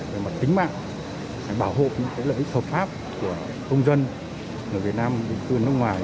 về mặt tính mạng bảo hộ những lợi ích hợp pháp của công dân người việt nam định cư ở nước ngoài